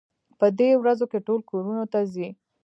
په دې ورځو کې ټول کورونو ته ځي.